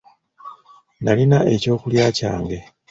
Nalina ekyokulya kyange.